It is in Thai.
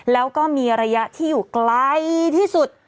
แล้วก็มีระยะที่อยู่ไกลที่สุด